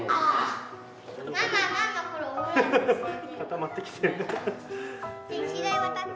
固まってきてる。